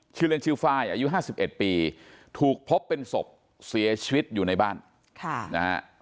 ชื่อเล่นชื่อไฟล์อายุ๕๑ปีถูกพบเป็นศพเสียชีวิตอยู่ในบ้านค่ะนะฮะ